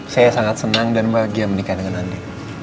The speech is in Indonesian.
saya sangat senang dan bahagia menikah dengan anda